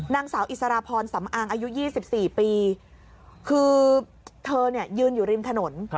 นางสาวอิสรพรสำอางอายุ๒๔ปีคือเธอเนี่ยยืนอยู่ริมถนน